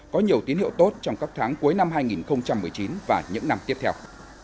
có nhiều tín hiệu tốt trong các tháng cuối năm hai nghìn một mươi chín và những năm tiếp theo